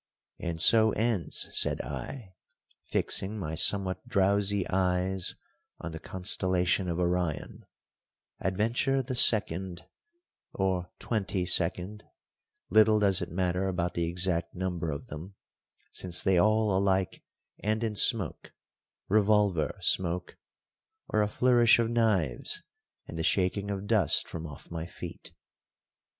"And so ends," said I, fixing my somewhat drowsy eyes on the constellation of Orion, "adventure the second, or twenty second little does it matter about the exact number of them, since they all alike end in smoke revolver smoke or a flourish of knives and the shaking of dust from off my feet.